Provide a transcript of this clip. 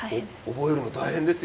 覚えるの大変ですよね。